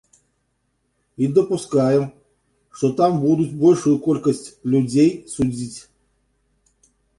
І дапускаем, што там будуць большую колькасць людзей судзіць.